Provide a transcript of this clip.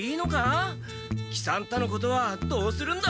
喜三太のことはどうするんだ？